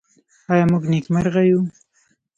آیا موږ نېکمرغه یو؟